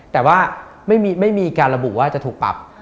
แต่ว่าไม่มีการระบุว่าจะถูกปรับ